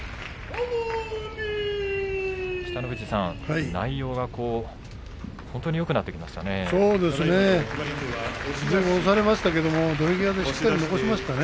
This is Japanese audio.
北の富士さん、内容が本当によくなってきましたね。